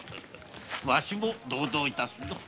わしも同道いたすぞ。